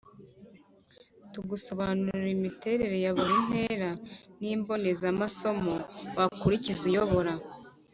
tugusobanurira imiterere ya buri ntera n’imbonezamasomo wakurikiza uyobora